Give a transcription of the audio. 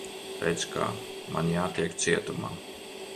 Redz, kā. Man jātiek cietumā.